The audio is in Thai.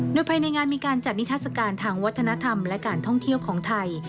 โดยภายในงานมีการจัดนิทัศกาลทางวัฒนธรรมและการท่องเที่ยวของไทย